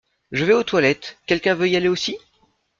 Je vais aux toilettes, quelqu'un veut y aller aussi?